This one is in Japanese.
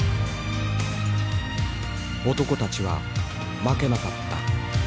男たちは負けなかった。